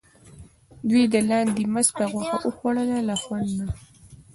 دوی د لاندي مسته غوښه وخوړه له خوند نه.